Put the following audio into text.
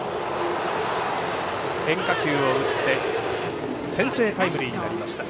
変化球を打って先制タイムリーになりました。